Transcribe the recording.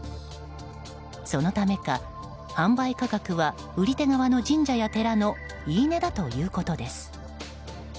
そのためか、販売価格は売り手側の神社や寺の言い値だということです。